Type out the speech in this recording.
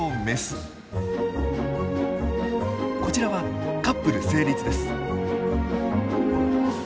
こちらはカップル成立です。